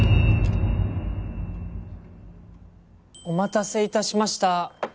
お待たせ致しました。